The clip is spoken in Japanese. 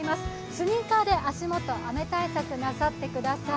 スニーカーで足元、雨対策なさってください。